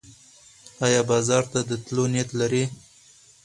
ایا بازار ته د تلو نیت لرې؟